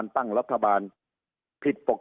สุดท้ายก็ต้านไม่อยู่